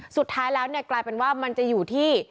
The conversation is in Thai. สุดท้ายแล้วเนี่ยกลายเป็นว่ามันจะอยู่ที่